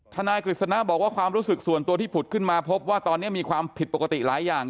นายกฤษณะบอกว่าความรู้สึกส่วนตัวที่ผุดขึ้นมาพบว่าตอนนี้มีความผิดปกติหลายอย่าง